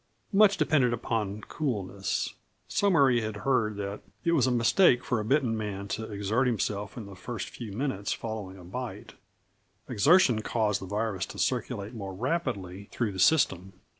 Much depended upon coolness; somewhere he had heard that it was a mistake for a bitten man to exert himself in the first few minutes following a bite; exertion caused the virus to circulate more rapidly through the system.